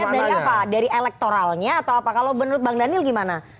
lihat dari apa dari elektoralnya atau apa kalau menurut bang daniel gimana